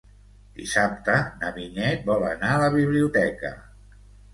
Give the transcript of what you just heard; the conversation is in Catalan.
Dissabte na Vinyet vol anar a la biblioteca.